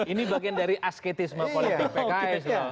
ini bagian dari asketisme politik pks